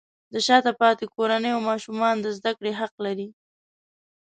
د شاته پاتې کورنیو ماشومان د زده کړې حق لري.